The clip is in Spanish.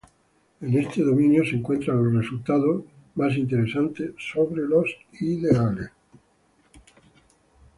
En este dominio se encuentran los resultados más interesantes sobre los ideales.